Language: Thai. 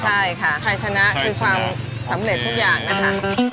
ใช่ค่ะใครชนะคือความสำเร็จทุกอย่างนะคะ